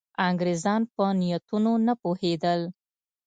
انګرېزان په نیتونو نه پوهېدل.